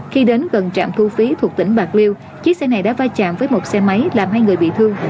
khi đến gần trạm thu phí thuộc tỉnh bạc liêu chiếc xe này đã va chạm với một xe máy làm hai người bị thương